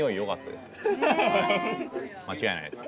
間違いないです